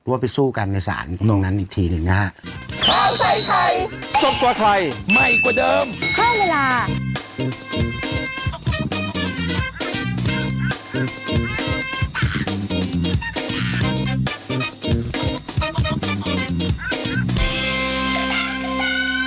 ว่าไปสู้การเอกสารตรงนั้นอีกทีหนึ่งครับ